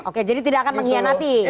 oke jadi tidak akan mengkhianati pak prabowo